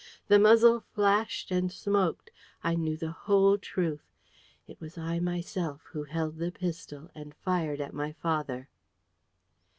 The muzzle flashed and smoked. I knew the whole truth. It was I myself who held the pistol and fired at my father!